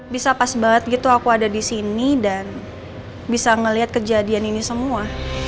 bisa pas banget gitu aku ada disini dan bisa ngeliat kejadian ini semua